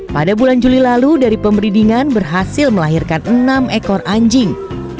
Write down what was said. pada bulan juli lalu dari pemberidingan berhasil melahirkan enam ekor anjing